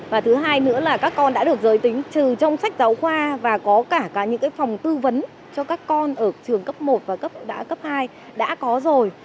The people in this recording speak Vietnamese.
và thứ hai nữa là các con đã được giới tính trừ trong sách giáo khoa và có cả những phòng tư vấn cho các con ở trường cấp một và cấp đã cấp hai đã có rồi